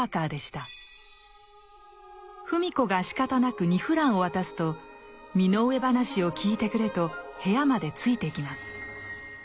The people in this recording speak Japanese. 芙美子がしかたなく２フランを渡すと身の上話を聞いてくれと部屋までついてきます。